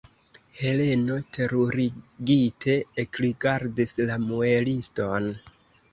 Heleno terurigite ekrigardis la mueliston.